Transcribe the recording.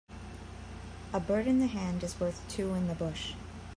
A bird in the hand is worth two in the bush.